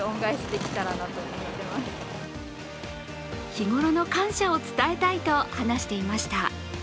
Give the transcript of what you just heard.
日頃の感謝を伝えたいと話していました。